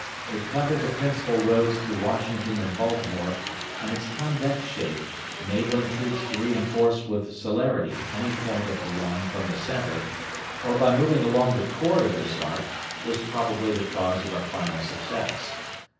It covered the principal roads to Washington and Baltimore, and its convex shape, enabling troops to reinforce with celerity any point of the line from the centre, or by moving along the chord of this arc, was probably the cause of our final success.